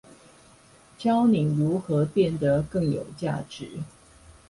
教你如何變得更有價值